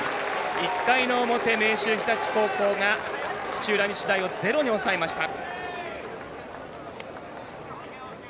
１回の表、明秀日立高校が土浦日大を０に抑えました。